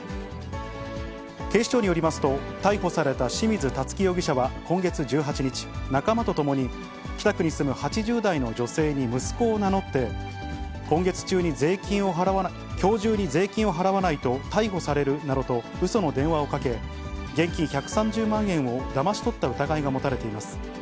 警視庁によりますと、逮捕された清水樹容疑者は今月１８日、仲間と共に北区に住む８０代の女性に息子を名乗って、きょう中に税金を払わないと逮捕されるなどとうその電話をかけ、現金１３０万円をだまし取った疑いが持たれています。